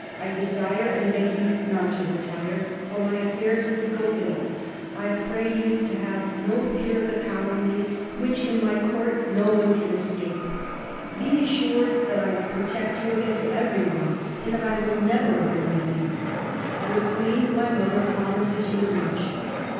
... I desire and beg you not to retire, for my affairs would go ill. ... I pray you to have no fear of the calumnies THE CARDINAL 169 which in my Court no one can escape. ... Be assured that I will protect you against every one, and that I will never abandon you. The Queen, my mother, promises you as much.